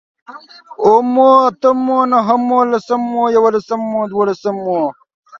اوومو، اتمو، نهمو، لسمو، يوولسمو، دوولسمو